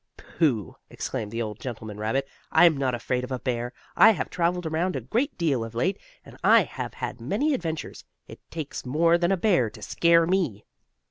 "Pooh!" exclaimed the old gentleman rabbit. "I'm not afraid of a bear. I have traveled around a great deal of late, and I have had many adventures. It takes more than a bear to scare me!"